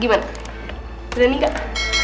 gimana udah nikah